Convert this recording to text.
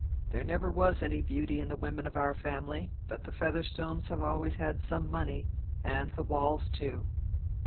There never was any beauty in the women of our family; but the Featherstones have always had some money, and the Waules too.